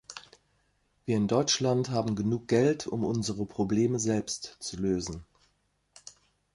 Wir in Deutschland haben genug Geld, um unsere Probleme selbst zu lösen.